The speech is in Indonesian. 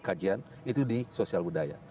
kajian itu di sosial budaya